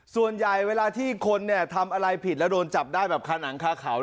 ส่วนใหญ่เวลาที่คนเนี้ยทำอะไรผิดแล้วโดนจับได้แบบฆ่าหนังฆ่าเขาด้วยน่ะ